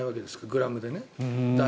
グラムで。